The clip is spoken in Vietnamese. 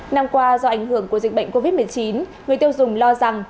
năm qua do ảnh hưởng của dịch bệnh covid một mươi chín người tiêu dùng lo rằng